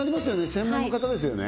専門の方ですよね